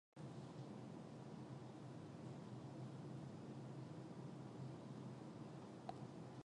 Déu és gran: paga i no diu quan.